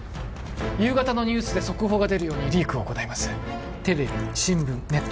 夕方のニュースで速報が出るようにリークを行いますテレビ新聞ネット